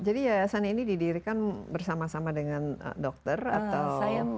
jadi yayasan ini didirikan bersama sama dengan dokter atau